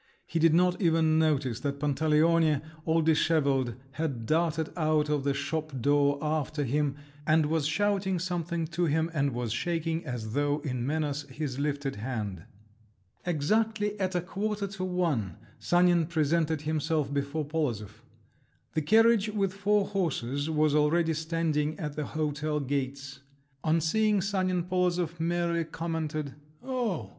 He did not even notice that Pantaleone, all dishevelled, had darted out of the shop door after him, and was shouting something to him and was shaking, as though in menace, his lifted hand. Exactly at a quarter to one Sanin presented himself before Polozov. The carriage with four horses was already standing at the hotel gates. On seeing Sanin, Polozov merely commented, "Oh!